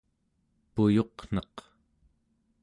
puyuqneq